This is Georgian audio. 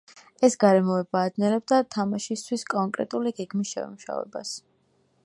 ეს გარემოება აძნელებდა თამაშისთვის კონკრეტული გეგმის შემუშავებას.